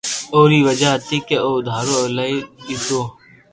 اوري وجہ ھتي ڪي او دھارو ايلائي پيتو